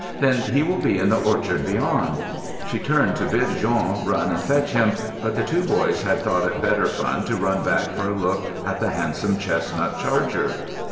"Then he will be in the orchard beyond." She turned to bid Jean run and fetch him; but the two boys had thought it better fun to run back for a look at the handsome chestnut charger.